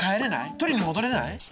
取りに戻れない？